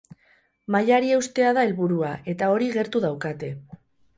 Mailari eustea da helburua, eta hori gertu daukate.